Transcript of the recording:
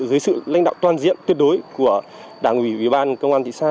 dưới sự lãnh đạo toàn diện tuyệt đối của đảng ủy ủy ban công an thị xã